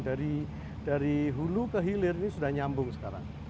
dari hulu ke hilir ini sudah nyambung sekarang